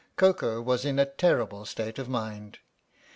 Koko was in a terrible state of mind.